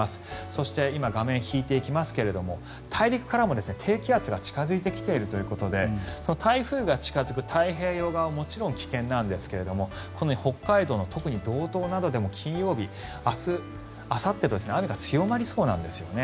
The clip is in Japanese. そして今、画面引いていきますが大陸からも低気圧が近付いてきているということで台風が近付く太平洋側はもちろん危険なんですが北海道の特に道東などでも金曜日、明日あさってと雨が強まりそうなんですよね。